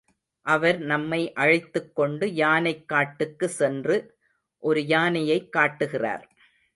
அவர் நம்மை அழைத்துக் கொண்டு யானைக் காட்டுக்கு சென்று ஒரு யானையைக் காட்டுகிறார்.